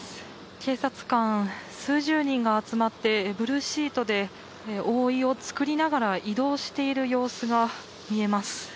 警察官数十人が集まってブルーシートで覆いを作りながら移動している様子が見えます。